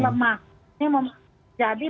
lemah ini jadi